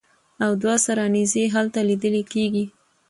او دوه سرې نېزې هلته لیدلې کېږي.